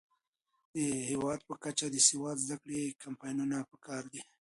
د هیواد په کچه د سواد زده کړې کمپاینونه پکار دي.